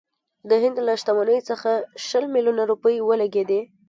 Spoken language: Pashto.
د هند له شتمنۍ څخه شل میلیونه روپۍ ولګېدې.